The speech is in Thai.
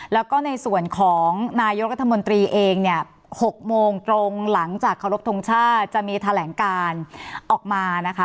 แล้วก็ในส่วนของนายกรัฐมนตรีเองเนี่ย๖โมงตรงหลังจากเคารพทงชาติจะมีแถลงการออกมานะคะ